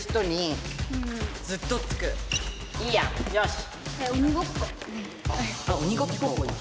いいやんよし。